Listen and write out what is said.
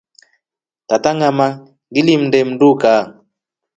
Tata ngama ngilimnde mndu kaa.